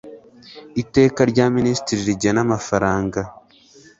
Iteka rya Minisitiri rigena amafaranga